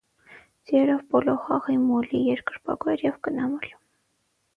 Ձիերով պոլո խաղի մոլի երկրպագու էր և կնամոլ։